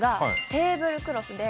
テーブルクロスで。